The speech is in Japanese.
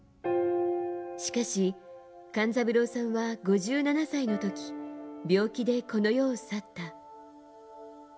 しかし、勘三郎さんは５７歳の時病気でこの世を去った。